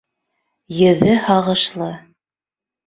Йөҙө һағышлы